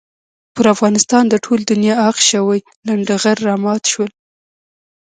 پر افغانستان د ټولې دنیا عاق شوي لنډه غر را مات شول.